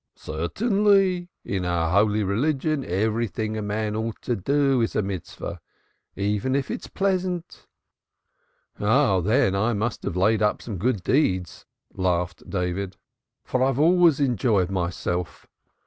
"Certainly. In our holy religion everything a man ought to do is a Mitzvah, even if it is pleasant." "Oh, then, even I must have laid up some good deeds," laughed David, "for I have always enjoyed myself.